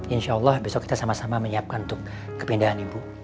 insya allah besok kita sama sama menyiapkan untuk kepindahan ibu